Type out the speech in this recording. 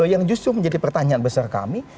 yang justru menjadi pertanyaan besar kami